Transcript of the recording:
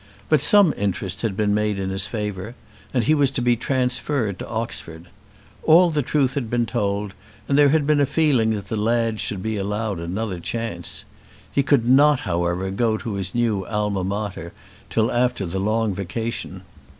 But some interest had been made in his favour, and he was to be transferred to Oxford. All the truth had been told, and there had been a feeling that the lad should be allowed another chance. He could not however go to his new Alma Mater till after the long vacation.